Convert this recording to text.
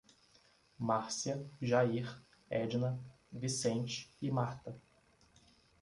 Márcia, Jair, Edna, Vicente e Marta